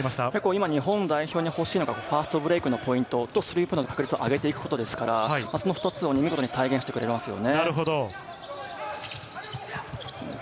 今、日本代表にほしいのがファストブレイクのポイントと、スリーポイントの確率を上げることですから、その２つを見事に体現してくれますよね。